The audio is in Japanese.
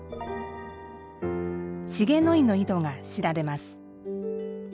「滋野井」の井戸が知られます。